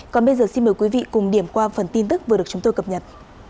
còn bây giờ xin mời quý vị cùng điểm qua phần tin tức vừa được chúng tôi cập nhật